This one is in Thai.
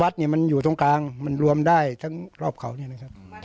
วัดเนี่ยมันอยู่ตรงกลางมันรวมได้ทั้งรอบเขาเนี่ยนะครับ